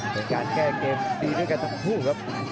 เป็นการแก้เกมดีด้วยกันทั้งคู่ครับ